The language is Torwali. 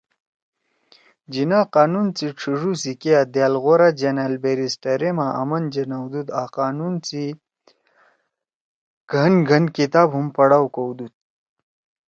جناح قانون سی ڇھیڙُو سی کیا دأل غورا جنأل بیرسٹرا ما آمن جنؤدُود آں قانون سی گھن گھن کتاب ہُم پڑھاؤ کؤدُود